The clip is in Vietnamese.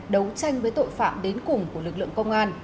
đấu tranh với tội phạm đến cùng của lực lượng công an